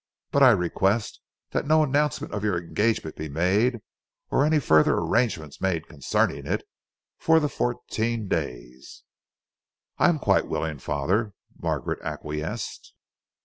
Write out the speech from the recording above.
But I request that no announcement of your engagement be made, or any further arrangements made concerning it, for that fourteen days." "I am quite willing, father," Margaret acquiesced.